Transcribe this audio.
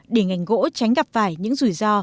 để ngành gỗ tránh gặp phải những rủi ro